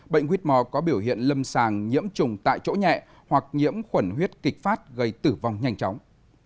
bệnh whore có biểu hiện lâm sàng nhiễm trùng tại chỗ nhẹ hoặc nhiễm khuẩn huyết kịch phát gây tử vong nhanh chóng